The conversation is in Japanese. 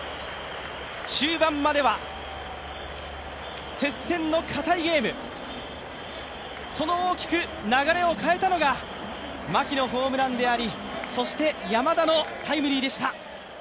中盤までは接戦のかたいゲーム、その大きく流れを変えたのが牧のホームランであり、そして、山田のタイムリーでした。